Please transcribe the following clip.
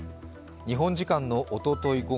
日本時間のおととい